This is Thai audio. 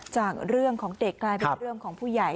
จากเรื่องของเด็กกลายเป็นเรื่องของผู้ใหญ่